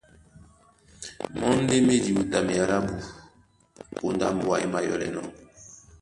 Mɔ́ ndé má e diwutamea lábū póndá mbúa é mayɔ́lɛnɔ̄,